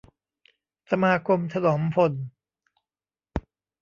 สมาคมถนอมพล